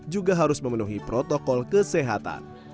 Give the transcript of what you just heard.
juga harus memenuhi protokol kesehatan